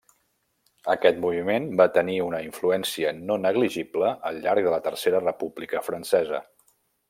Aquest moviment va tenir una influència no negligible al llarg de la Tercera República francesa.